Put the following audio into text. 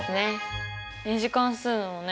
２次関数のね